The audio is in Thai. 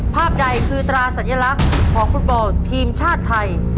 ภาพใดคือตราสัญลักษณ์ของฟุตบอลทีมชาติไทย